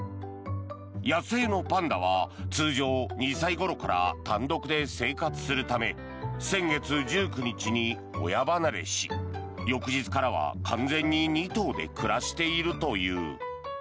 野生のパンダは通常２歳ごろから単独で生活するため先月１９日に親離れし翌日からは完全に２頭で暮らしているという。